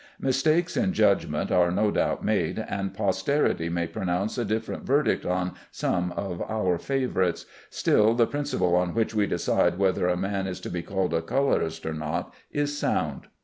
Mistakes in judgment are no doubt made, and posterity may pronounce a different verdict on some of our favorites; still the principle on which we decide whether a man is to be called a colorist or not, is sound.